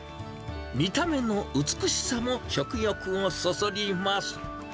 見た目の美しさも食欲をそそります。